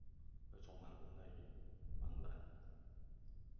會充滿無奈與茫然